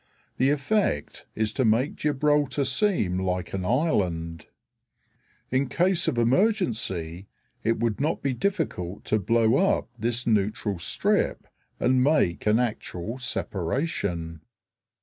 The effect is to make Gibraltar seem like an island. In case of emergency it would not be difficult to blow up this neutral strip and make an actual separation.